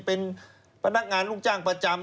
เป็นพนักงานลูกจ้างประจำ